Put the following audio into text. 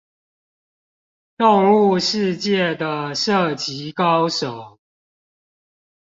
動物世界的射擊高手